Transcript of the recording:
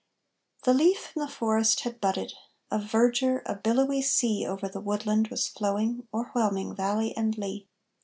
_) The leaf in the forest had budded, of verdure a billowy sea Over the woodland was flowing, o'erwhelming valley and lea.